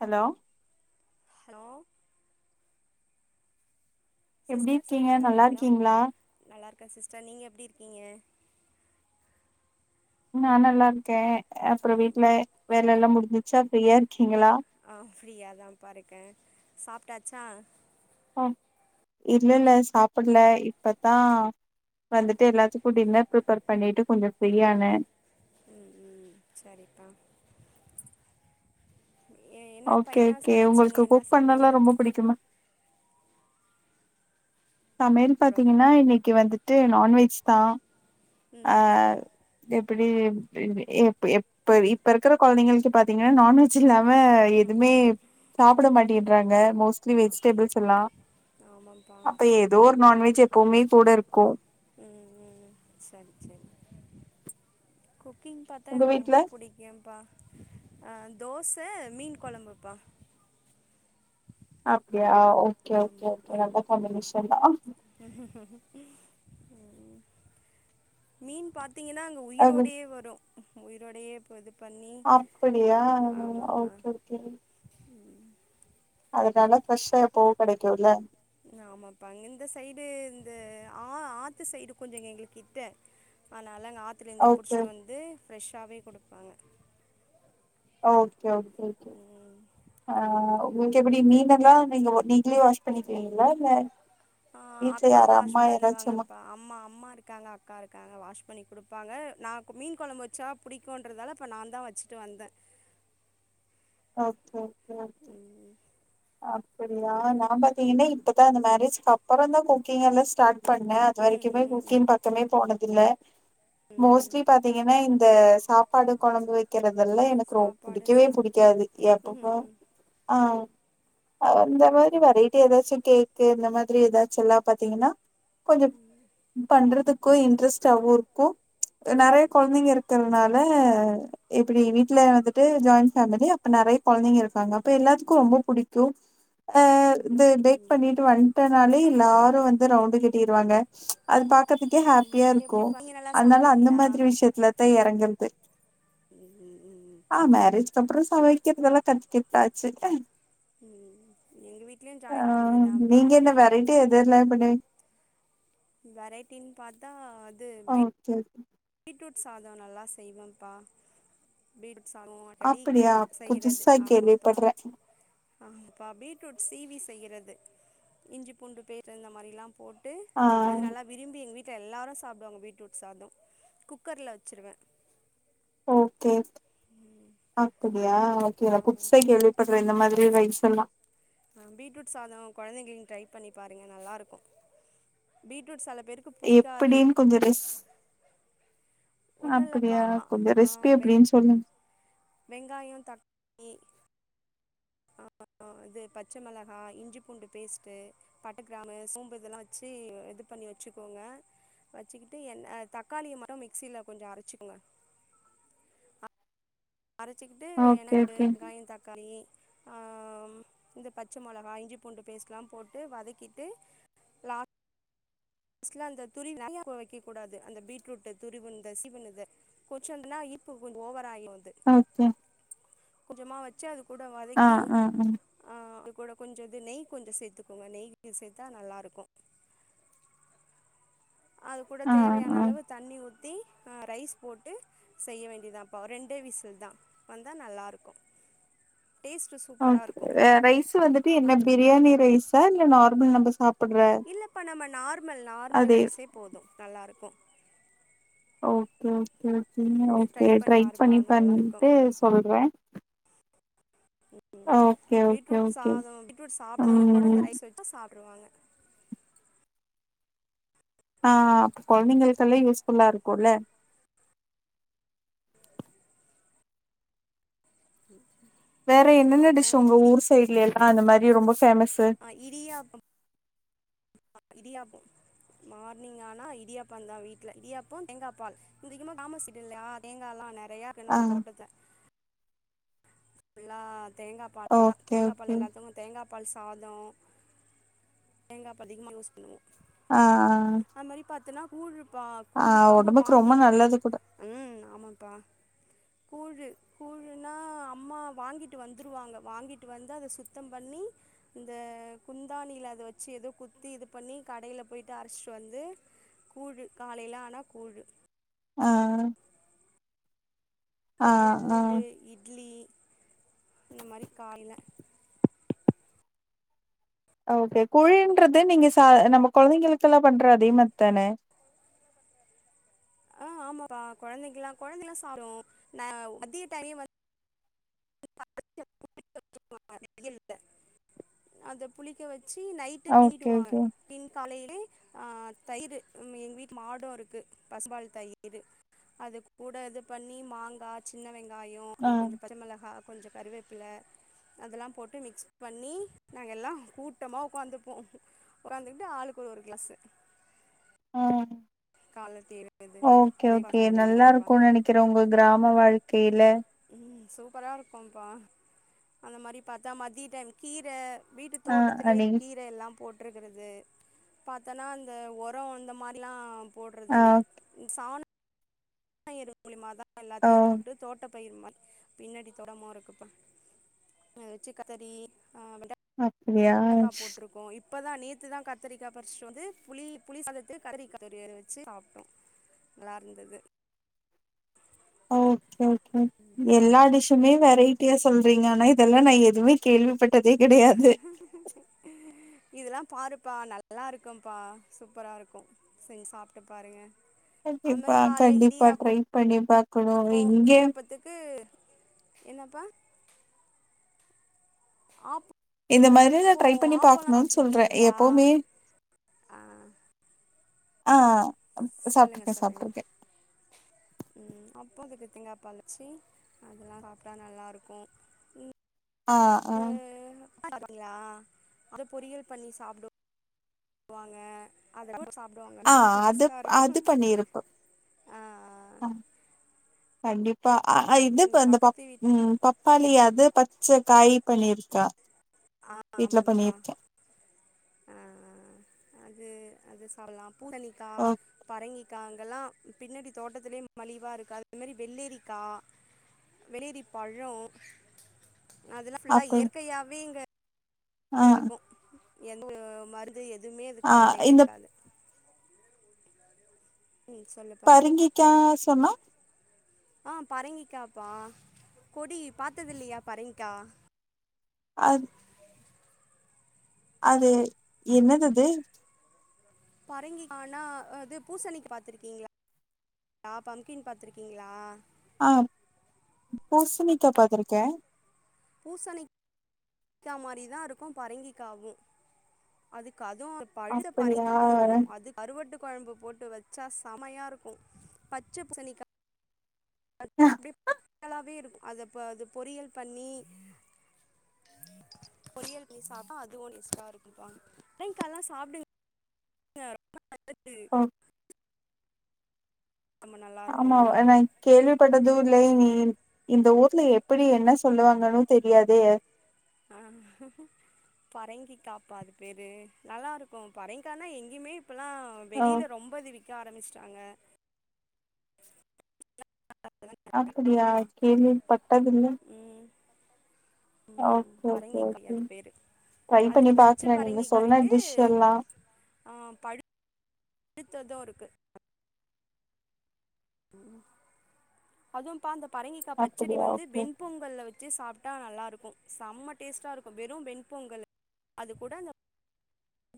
hello hello எப்டி sister இருக்கீங்க நல்லா இருக்கீங்களா க்கே சிஸ்டர் நீங்க எப்டி இருக்கீங்க நான் நல்ல இருக்கேன் அப்றோ வீட்ல வேலை எல்லா முடிஞ்சு சப்பியர் ஆ ஃப்ரீயா தான்பா இருக்கேன் சாப்டாச்சா ஹ இல்லல்ல சாப்பிடல இப்பத்தான் வந்துட்டு எல்லாத்துக்கும் டின்னர் ப்ரிப்பேர் பண்ணிட்டு கொஞ்சம் ஃப்ரீயான ம் ம் சரிப்பா எ என்னப்பா ஓகே என்ன ஓகே சமச்சீங்க உங்களுக்கு என்ன குக் பண்ணல்லாம் சமையல் ரொம்ப பிடிக்குமா சமையல் அப்றோ பாத்தீங்கன்னா இன்னைக்கு வந்து [inaudible] நான்வெஜ் தான் ம் ஆ ம் எப்டி [inaudible] எப் எப் இப்ப இருக்கிற கொழந்தைங்களுக்கு பாத்தீங்கன்னா நான்வெஜ் [inaudible] இல்லாம எதுவுமே சாப்பிட மாட்டேங் றாங்க மோஸ்லி ஆ வெஜிடபில்ஸ் எல்லாம் ஆமாம்ப்பா ஆ இப்ப ஏதோ ஒரு நான்வெஜ் எப்பவுமே கூட இருக்கும் ம் ம் சரி சரி குக்கிங் பாத்தா எனக்கு ரொம்ப பிடிக்கும்பா அ தோச மீன் கொழம்புப்பா [unintelligible] ஆ ஓகே ஓகே ஓகே ஆமாம்ப்பா நல்ல காம்பினேஷன் தான் ம் மீன் பாத் பாத்திங்கன்னா அங்கே அது உயிரோடே வரும் தி உயிரோடயே இப்ப இது பண்ணி அப்படியா ஆமாம்ப்பா ஓகேஓகே அதனால ஃப்ரெஷ்ஷா எப்பவும் கெடைக்கும்ல ஆமாப்பா இந்த சைடு இந்த ஆ ஆத்து சைடு கொஞ்சம்ங்க எங்களுக்கு கிட்ட ஆனா நல்ல ஆத்துல இருந்தே ஓகே புடிச்சிட்டு வந்து ஃப்ரெஷ்ஷாவே கொடுப்பாங்க ஓகே ஓகே ஓகே ஆ நிங்க எப்டி மீனெல்லாம் நீங்க நீங்களே வாஷ் பண்ணிக்கிறீங்களா இல்ல ஆ வீட்ல அக்கா யாரா வாஷ் அம்மா யாராச்சு ம பண்ணுவாங்கப்பா அம்ம அம்மா இருக்காங்க அக்கா இருக்காங்க வாஷ் [inaudible] பண்ணி கொடுப்பாங்க நான் மீன் கொழம்பு வச்சா பிடிக்கும்ன்றதால இப்ப நான் தான் வச்சுட்டு வந்தேன் ஓகே ஓகே ஓகே ம் அப்படியா நான் பாத்தீங்கன்னா இப்பதான் அந்த மேரேஜ் அப்பறம் தான் குக்கிங் எல்லாம் ஸ்டாட் குக் பண்ணேன் அது ம் வரைக்குமே ம் ம் குக்கின் பக்கமே போனதில்ல மோஸ்லி பாத்தீங்கன்னா இந்த சாப்பாடு கொழம்பு வை [inaudible] தெல்லாம் எனக்கு ரொப சாப்பாடு புடிக்கவே சா புடிக் கக்காது ம் எப்பகோ ம் ம் ஆ இந்தந்த மாரி வெரைட்டி ஏதாச்சும் கேக்கு இந்த மாரி ஏதாச்சும் எல்லாம் பாத்தீங்கன்னா கொஞ்சம் பண்றதுக்கும் இன்ட்ரெஸ்டவும் இருக்கும் நெறைய கொழந்தைங்க இருக்கிறதுனால ஹ எப்டி வீட்ல வந்துட்டு ஜாயின் [inaudible] அப்ப நெறைய கொழந்தைங்க இருக்காங்க அப்ப எல்லாத்துக்கும் ரொம்ப பிடிக்கும் அ இது பேக் பண்ணிட்டு வந்துட்டனாலே எல்லாரும் வந்து ரவுண்ட கட்டிருவாங்க அது ப க்க ஹாப்பியா நீங்கள் இருக்கும் எப்படிப்பா நீங்கள் நல்லா அதனால அந்த சமைப்பீங்களா மாரி விஷயத்துலதான் இறங்கதுஹஜ் ம் ம் ம் சரிப்பா வைக்கிறதெல்லாம் கத்துக்கிட்டாச்சு ம் ம் எங்கள் வீட்லேயும் ஆ ஜாயிண்ட் ஃபேமிலி தான்ப்பா நீங்க என்ன வெரைட்டி எது இல்ல எப்பண்ண வெரைட்டின்னு பாத்தா அது ஓகே பீட்ரூட் சாதம் நல்லா செய்வேம்ப்பா பீட் [inaudible] டி அப்படியா செய்யறது புதுசா ஆமாப்பா கேள்விப்பட்றே ஆமாப்பா பீட்ரூட் சீவி செய்யறது [inaudible] இஞ்சி பூண்டு பே இந்த மாரி எல்லாம் போட்டு ஆ அது நல்லா விரும்பி எங்க வீட்டு எல்லாரும் சாப்படுவாங்க பீட்ரூட் சாதம் குக்கர்ல வச்சிருவேன் ஓகே ஆது ஓகே ஆமாப்பா குதுசைக்கு வெள்விப்படுற இந்த மாரி ரைஸ் எல்லாம் பீட்ரூட் சாதம் கொழந்தைங்க டரை பண்ணி பாருங்க நல்லா இருக்கும் பீட்ரூட் பேருக்கு புடிக்காது எப்படினு கொஞ்சம் ரிஸ் ஒன்னு இல்லப்பா அப்டியா கொஞ்சம் ரெசிபி எப்டின்னு சொல்லுங்க வெங்காயம் தக்காளி ஆ இது பச்ச மிளகாய இஞ்சி பூண்டு பேஸ்ட்ட் பட்ட கிராமு சோம்பு இதெலாம் வச்சு இது பண்ணி வச்சுக்கோங்க வச்சுக்கிட்டு என்ன தக்காளிய மட்டும் மிக்சியில கொஞ்சம் அரைச்சிக்கோங்க அரைச்சிக்கிட்டு இன ஓகே ஓகே வெங்காயம் தக்காளி ஹ இந்த பச்ச மிளகா இஞ்சி பூண்டு பேஸ்ட் எலாம் போட்டு வதக்கிட்டு [inaudible] ல அந்த துரி நைய வைக்க கூடாது அந்த பீட்ரூட் துரி சிவுத கொச்சந்தனா இ கொஞ்சம் ஓவவர ஆயும் ஓகே கொஞ்சமா வச்சு அது கூட ஆ வதக்கி ஆ ஆ கூட கொஞ்சம் இது நெய் கொஞ்சம் சேர்த்துக்கோங்க நெய் சேர்த்தா நல்லா இருக்கும் அது கூட ஆ ஆ தேவையான ஆ அளவு தண்ணி பத்தி் ரைஸ் போட்டு செய்ய வேண்டியதான்ப்ப ரெண்ட விசில் தான் வந்தா நல்லா இருக்கும் ம் ரைஸ் வந்துட்டு என்ன பிரியாணி ரைஸா இல்ல நார்மல் நம்ப சாப்- இல்லப்பா நம்ம நார்மல் நார்மல் அதே ரைஸே போது நல்லா இருக்கும் ஓகே ஓகே இது ஓகே ட்ரை பாருப்பா பண்ணி நல்லாயிருக்கும் பண்ணிட்டு சொல்றே ம் ம் ஓகே ஓகே பீட்ரூட் ஓகே சாதோ பீட்ரூட் சாப்டாதவங்க கூட ம் ரைஸ் வச்சா சா- வருவாங்க ஆஹ் அப்ப கொழந்தைங்களுக்கெல்லா யூஸ்ஃபுல்லா இருக்குல்ல [inaudible] வேற என்னென்ன டிஷ் அப்புறம் உங்க ஊர் சைட்ல ஆ அந்த மாரி ரொம்ப ஃபேமஸ் ஆஹ் இடியாப்பம் இடியாப்போ மார்னிங் ஆனா இடியாப்பந்தா வீட்ல இடியாப்போ தேங்கா பால் இங்க அதிகமா கிராமோ சைடு இல்லயா தேங்கா எல்லா நெ நெறையா இருக்கு ஆ நம்ம தோட்டத்ல [unintelligible] தேங்காப் பால்தா ஓகே தேங்காப் பால் ஓகே எல்லாத்துக்கும் தேங்கா பால் சாதோ தேங்கா பால் அதிகமாக யூஸ் பண்ணுவோ ஆஹ் ஆஹ் ப்பா கூழு கம்பு வாங்கிட்டு வா நல்லது கூட உம் ஆமாப்பா கூழு கூழுனா அம்மா வாங்கிட்டு வந்துருவாங்க வாங்கிட்டு வந்து அத சுத்தம் பண்ணி இந்த குந்தானியில அதை வச்சு ஏதோ குத்தி இது பண்ணி கடையில போயிட்டு அரைச்சிட்டு வந்து கூழு காலையில ஆனா கூழு ஆஹ் பால் கூழு இட்லி இந்த மாரி காலைல ஓகே குழின்றது நீங்க ச நம்ம கொழந்தைங்களுக்கெல்லா பண்ற அதே மாரித்தானே ஆஹ் ஆமாப்பா கொழந்தைக்கல்லா கொழந்தைல்லா சாப்டும் நா மதிய டைமே வ [inaudible] அத புளிக்க வச்- ச்சி நைட்டு ஓகே கிண்டிடுவாங்க ஓகே [unintelligible] ஏ ஆ தயிரு ம் எங்க வீட்டு மாடும் இருக்கு பசும்பால் தயிரு அது கூட இது பண்ணி மாங்கா சின்ன வெங் வெங்காயோ ஆ அதல கொஞ்ச பச்சமெளகா கொஞ்ச கறிவேப்பில அதெல்லா போட்டு மிக்ஸ் பண்ணி நாங்கல்லா கூட்டம உக்காந்துப்போம் உக்காந்துக்கிட்டு ஆளுக்கொரு க்ளாஸு ஆ ஓகே ஓகே பிரேக்ஃபாஸ்ட் நல்லா முடிஞ்சிரும்ப்பா இருக்குன்னு நெனைக்கிறே உங்க கிராம வாழ்க்கையில ம் சூப்பரா இருக்கும்ப்பா அந்த மாரி பாத்தா மதிய டைம் கீர வீட்டு ஆ தோட்டத்திலயே அன்னைக்கு கீரை எல்லாம் போட்ருக்கிறது பாத்தன்னா இந்த ஒரோ அந்த மாரிலா ஆ போடுறதுல்ல [unintelligible] [unintelligible] மூலியமாதா ஓ எல்லாத்தையும் போட்டு தோட்ட பயிறுமா பின்னாடி தோட்டமு இருக்குப்பா அத வச்சு கத்தரி ஆ வெண்டக்கா போட்ருக்கோ [unintelligible] இப்பதா நேத்துதா கத்திரிக்கா பறிச்சுட்டு வந்து புளி புளி சாதத்துக்கு கத்தரி [unintelligible] வச்சு சாப்ட்டோ நல்லா இருந்தது ஓகே ம் எல்லா டிஷ்ஷுமே வெரைட் [inaudible] இதெல்லாம் நான் எதுவுமே கேள்விப்பட [unintelligible] இதெல்லா பாருப்பா நல்லா இருக்கும்ப்பா சூப்பரா இருக்கும் செஞ்சு சாப்ட்டு பாருங்க அது கண்டிப்பா மாரி கால்ல கண்டிப்பா இடியாப்போ ட்ரை பண்ணிபா கு இங்க இடியாப்பத்துக்கு [unintelligible] என்னப்பா ஆப் இந்த மாரிதா நா ட்ரை பண்ணி பாக்கணுன்னு சொல்றே சாப்ட்ருக்கீங்களா எப்பவுமே ஆ ஆஹ் சொல்லுங்க சொல்லுங்க ம் அப்போதுக்கு தேங்கா பழச்சி அதெல்லாம் சாப்பிட்டா நல்லாருக்கும் ஆ ம் பண்ணியா அத பொரியல் பண்ணி சாப்புடு வாங்க [inaudible] [unintelligible] சாப்புடுவாங்க ஆ நல்லா அது டேஸ்ட்டா அது இருக்கும் பண்ணிருப்போ ஆஹ் ஆ கண்டிப்பா அ இது இப்ப இந்த வீட்ல ம் பப்பாளியாது செ காயி பண்ணிருக்கா ஆ வீட்ல ஆமப்பா பண்ணிருக்கே ஆஆ அது அது சாப்பலாம் பூசணிக்கா ஓ பரங்கிக் க்கு அங்கெல்லா பின்னாடி தோட்டத்திலேயே மலிவா இருக்கு அதே மாரி வெள்ளெரிக்கா வெள்ளெரி பழோ அதல்லா ஃபுல்லா அப்ப இயற்கையாவே இங்க ஆ [unintelligible] இருக்கும் எந்த மருத் அது எதுமே அதுக்கு ஆ வேலையே இந்த இருக்காது ம் சொல்லுப்பா பரங்கிக்கா சொன்னா ஆஹ் பரங்கிக்காப்பா கொடி பாத்தது இல்லையா பரங்கிக்கா அது அது என்னது அது பரங்கிகா ஆனா அது பூசணி பாத்துருக்கீங்களா பம்ப்கின் பாத்திருக்கிங்களா ஆஹ் பூசணிக்கா பாத்துருக்கே பூசணிக்கா மாரி தான் இருக்கும் பரங்கிகாவும் க்கு அதுவு பழுத்த அப்படியா பரைங்க்கானு இருக்கும் அது கருவாட்டுக் கொழம்பு போட்டு வச்சா செமையா இருக்கு பச்சை பூசணிக்கா அப்டியே [unintelligible] இருக்கு அத ப்ப அது பொரியல் பண்ணி பொரியல் பண்ணி சாப்ட்டா அதுவு [unintelligible] இருக்குங்க்கா பரங்கிக்கா எல்லா சாப்டுவிங் [inaudible] [unintelligible] ஆமாவா நா கேள்விப்பட்டதும் இல்லை நீ இந்த ஊர்ல எப்படி என்ன சொல்லுவாங்கன்னு தெரியாதே ஆஹ் பறங்கிக்காப்பா அது பேரு நல்லா ருக்கும் பறங்கிகானா எங்கேயுமே இப்பெல்லாம் ஓ வெளில ரொம்ப [unintelligible] க்க ஆரம்பிஸ்ட்டாங்க அப்டியா கேள்விப்பட்டதுல்ல ம் ம் ஒகே ஒகே பரங்கிக்காய் ஒகே அது பேரு ட்ரை பண்ணி அதுலயு பச்ச பாக்குறேன் நீங்க பரங்கிக்கா சொன்ன இருக்கு டிஷ் எல்லா த்தது இருக்கு அதும்பா அந்த பரங்கிக்கா பச்சடி அப்படியா வந்து ஓகே வெண்பொங்கல்ல வச்சு சாப் ட்டா நல்லா இருக்கும் செம்ம டேஸ்ட்டா இருக்கும் வெறும் வெண் பொங்கல் அது கூட அந்த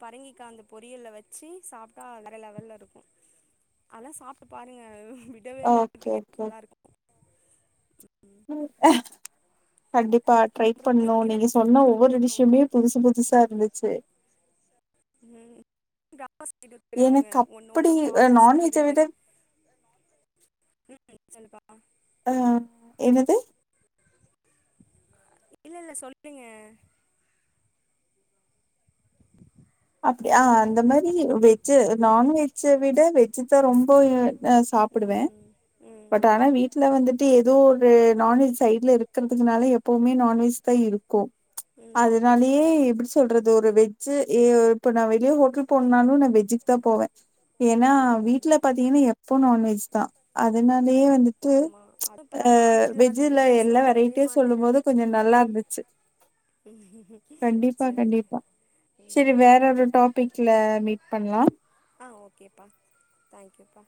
பரங்கிக்கா அந்த பொரியல்ல வச்சு சாப்ட்டா வேற லெவல்ல இருக்கும் அதல்லா சாப்ட்டு பாருங்க விடவே ஓகே மாட்டீங்க நல்லாருக்கு உம் அ கண்டிப்பா ட்ரை அப்றோ பண்ணணு உங்களுக்கு என்ன நீங்க சொன்ன பிடிக்கு ஒவ்வொரு விஷயயுமே புதுசு புதுசா இருந்துச்சு [unintelligible] க்கிறவங்க எனக்கு ஒன்னு அப்படி ஒன்னும் பாத்து நான்வெஜ்ஜ செய்யறது விட சொல்லுப்பா ஆ என்னது இல்ல இல்ல சொல்லுங்க அப்படியா ஹலோ அந்த மாரி வெஜ்ஜு நான்வெஜூ விட வெஜ்ஜுதான் ரொம்ப ஹ சாப்பிடுவேன் ம் பட் ம் ஆனா வீட்டுல வந்துட்டு ஏதோ ஒரு நான்வெஜ் சைட்ல இருக்கிறதுனால எப்பவுமே நான்வெஜ்தா இருக்கும் ம் அதுனாலயே எப்டி சொல்றது ஒரு வெஜ் ச்சேரி ஏ இப்பாண்ண வேலிய [unintelligible] ங்க போனாலு நான் வெஜ்ஜுக்குதா போவே ஏன்னா ம் வீட்ல பாத்தீங்கன்னா எப் இப்போ நான்வெஜ்தா அதனா லியே வந்துட்டு ஆமா அது இப்பல்லா அஹ் நாலேஜ் இல்லாத வெஜ்ஜுல சில்ட்ரன்ஸ்ல எல்லா இருக்கவே வெரைட்டியா சொல்லும் போது மாட்டேங்கிறாங்க கொஞ்ச நல்லா இருந்துச்சு கண்டிப்பா சரி கண்டிப்பா சரி ம் வேற ஒரு டாபிக்ல மீட் பண்லா ஆ ஓகேப்பா தேங்க்யூப்பா